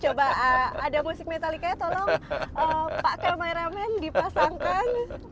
coba ada musik metallica ya tolong pak kameramen dipasangkan